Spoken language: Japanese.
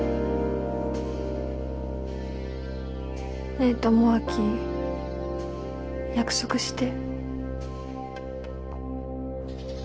ねえ智明約束して。